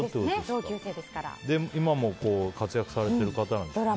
今も活躍されている方なんでしょうね。